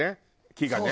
木がね。